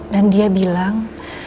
dan dia bilang